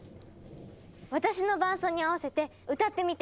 私の伴奏に合わせて歌ってみて。